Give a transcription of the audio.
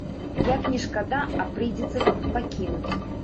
Як ні шкада, а прыйдзецца тут пакінуць.